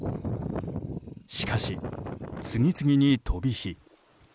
しかし、次々に飛び火。